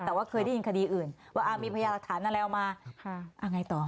แต่ว่าเคยได้ยินคดีอื่นว่ามีพยาหลักฐานอะไรเอามาไงต่อ